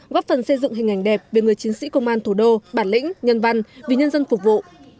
góp phần xây dựng hình ảnh đẹp về người chiến sĩ công an thủ đô bản lĩnh nhân văn vì nhân dân phục vụ